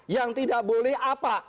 yang tidak boleh apa